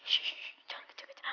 shhh jangan kejar